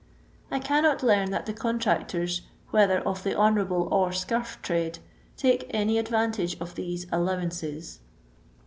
I cannot learn that the contractors, whether of the honourable or scurf tnidc, take any advantage of these " allowances."